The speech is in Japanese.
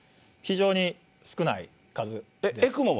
非常に少ない数です。